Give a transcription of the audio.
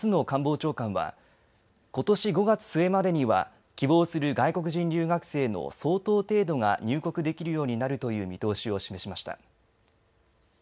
官房長官はことし５月末までには希望する外国人留学生の相当程度が入国できるようになるという見通しを示しました。